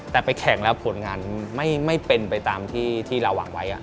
แต่ไปแข่งแล้วผลงานไม่เป็นไปตามที่เราหวังไว้